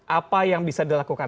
apa yang bisa dilakukan